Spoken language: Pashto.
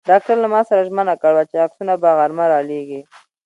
ډاکټر له ما سره ژمنه کړې وه چې عکسونه به غرمه را لېږي.